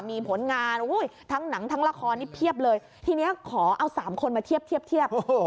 มีผลงานทั้งหนังทั้งละครนี่เพียบเลยทีนี้ขอเอา๓คนมาเทียบ